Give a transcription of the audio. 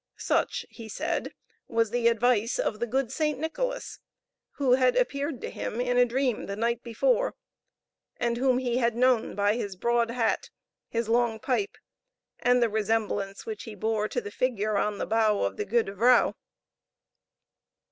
Such, he said, was the advice of the good St. Nicholas, who had appeared to him in a dream the night before, and whom he had known by his broad hat, his long pipe, and the resemblance which he bore to the figure on the bow of the Goede Vrouw.